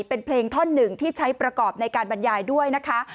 เป็นเพลงท่อนหนึ่งที่ใช้ประกอบในการบรรยายด้วยนะคะ